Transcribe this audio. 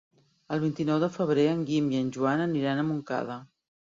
El vint-i-nou de febrer en Guim i en Joan aniran a Montcada.